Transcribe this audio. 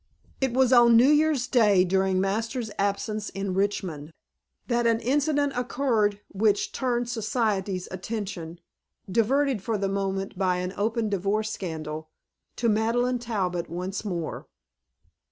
It was on New Year's Day, during Masters' absence in Richmond, that an incident occurred which turned Society's attention, diverted for the moment by an open divorce scandal, to Madeleine Talbot once more.